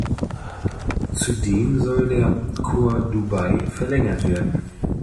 Zudem soll der Khor Dubai verlängert werden.